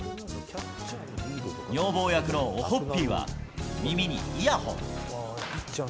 女房役のオホッピーは、耳にイヤホン。